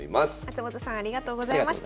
松本さんありがとうございました。